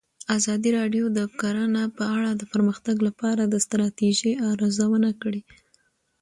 ازادي راډیو د کرهنه په اړه د پرمختګ لپاره د ستراتیژۍ ارزونه کړې.